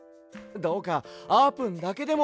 どうかあーぷんだけでも。